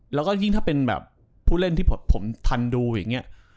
แล้วก็ยิ่งถ้าเป็นแบบผู้เล่นที่ผมทันดูอย่างนี้